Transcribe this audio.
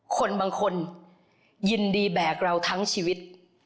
คนบางคนยินดีแบกเราทั้งชีวิต